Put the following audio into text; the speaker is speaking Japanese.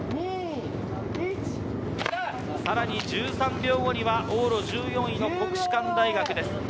さらに１３秒後には往路１４位の国士舘大学です。